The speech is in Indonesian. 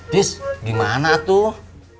tis gimana atuh